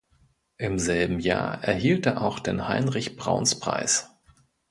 Im selben Jahr erhielt er auch den Heinrich-Brauns-Preis.